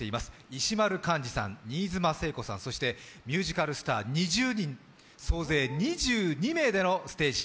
石丸幹二さん、新妻聖子さん、そしてミュージカルスター２０人、総勢２２名でのステージ。